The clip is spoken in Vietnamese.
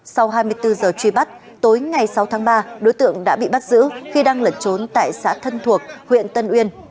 sau hai mươi bốn giờ truy bắt tối ngày sáu tháng ba đối tượng đã bị bắt giữ khi đang lẩn trốn tại xã thân thuộc huyện tân uyên